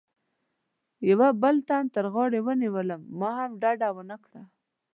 یوه بل تن تر غاړې ونیولم، ما هم ډډه و نه کړه.